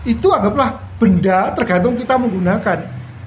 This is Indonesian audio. itu anggaplah benda tergantung kita menggunakan